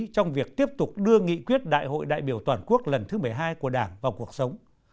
trong việc tiếp tục đưa nghị quyết đại hội đại biểu toàn quốc lần thứ một mươi hai của đảng vào cuộc sống